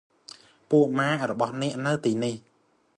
ពួកម៉ាករបស់អ្នកនៅទីនេះ។